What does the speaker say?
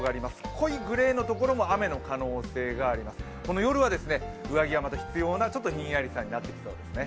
濃いグレーのところも雨の可能性があります、夜は上着は必要なちょっとひんやりした天気になってきそうですね。